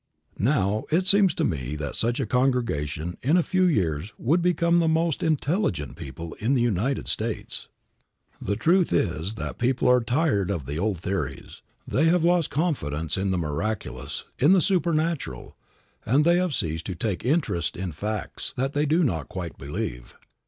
Now, it seems to me that such a congregation in a few years would become the most intelligent people in the United States. The truth is that people are tired of the old theories. They have lost confidence in the miraculous, in the supernatural, and they have ceased to take interest in "facts" that they do not quite believe.